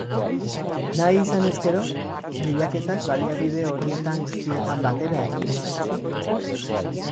Nahi izanez gero, bilaketak baliabide horietan guztietan batera egin ditzakezu.